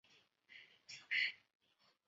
却遭到否认。